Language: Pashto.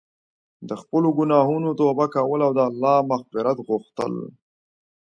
د خپلو ګناهونو توبه کول او د الله مغفرت غوښتل.